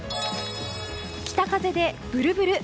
北風でブルブル。